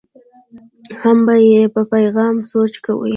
هم به یې په پیغام سوچ کوي.